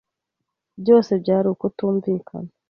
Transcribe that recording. Byose byari ukutumvikana.